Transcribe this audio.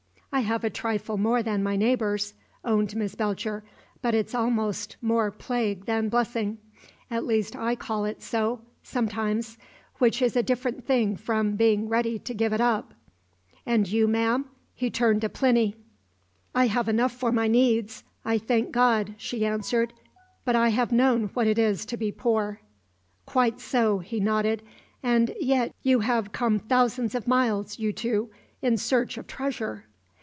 "I have a trifle more than my neighbours," owned Miss Belcher. "But it's almost more plague than blessing; at least I call it so, sometimes, which is a different thing from being ready to give it up." "And you, ma'am?" He turned to Plinny. "I have enough for my needs, I thank God," she answered. "But I have known what it is to be poor." "Quite so," he nodded. "And yet you have come thousands of miles, you two, in search of treasure!"